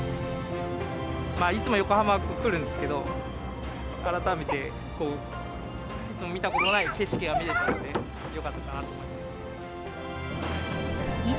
いつも横浜は来るんですけど、改めていつも見たことがない景色が見れたので、よかったなと思い